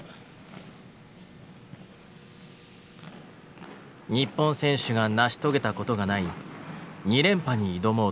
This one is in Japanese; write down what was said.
日本選手が成し遂げたことがない２連覇に挑もうとしていた。